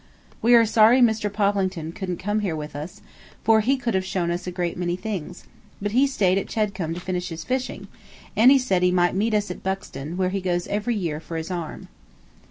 We are sorry Mr. Poplington couldn't come here with us, for he could have shown us a great many things; but he stayed at Chedcombe to finish his fishing, and he said he might meet us at Buxton, where he goes every year for his arm.